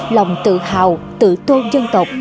lòng tự hào tự tôn dân tộc